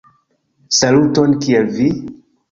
Saluton kiel vi?